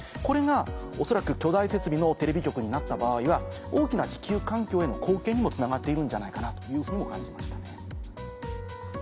これが恐らく巨大設備のテレビ局になった場合は大きな地球環境への貢献にもつながっているんじゃないかなというふうにも感じましたね。